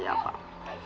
dia tuh mati